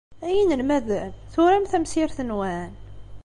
Ay inelmaden, turam tamsirt-nwen?